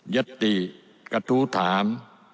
ยศติกฎูถาม